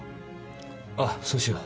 あっそうしよう。